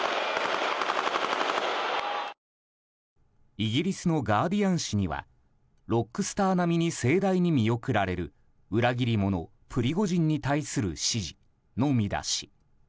イギリスのガーディアン紙にはロックスター並みに盛大に見送られる裏切り者プリゴジンに対する支持の見出し。